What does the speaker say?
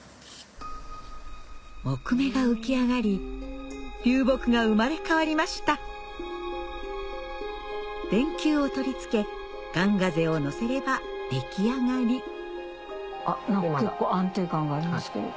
木目が浮き上がり流木が生まれ変わりました電球を取り付けガンガゼをのせれば出来上がりあっ結構安定感がありますけど。